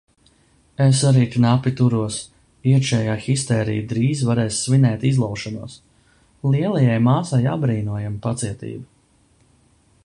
Es arī knapi turos, iekšējā histērija drīz varēs svinēt izlaušanos... Lielajai māsai apbrīnojama pacietība.